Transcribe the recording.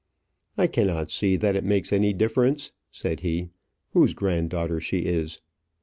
"I cannot see that it makes any difference," said he, "whose granddaughter she is."